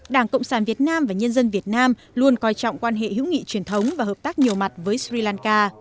đảng cộng sản việt nam và nhân dân việt nam luôn coi trọng quan hệ hữu nghị truyền thống và hợp tác nhiều mặt với sri lanka